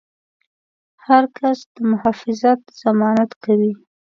د هر کس د محافظت ضمانت کوي.